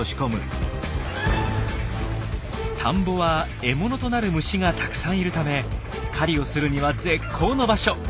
田んぼは獲物となる虫がたくさんいるため狩りをするには絶好の場所。